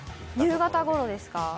夕方ごろですか。